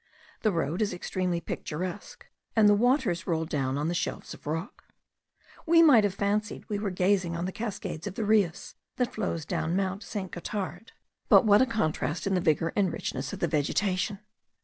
The road is extremely picturesque, and the waters roll down on the shelves of rock. We might have fancied we were gazing on the cascades of the Reuss, that flows down Mount St. Gothard; but what a contrast in the vigour and richness of the vegetation!